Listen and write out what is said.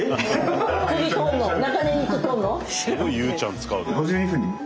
すごいゆうちゃん使う。